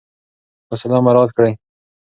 فاصله مراعات کړئ.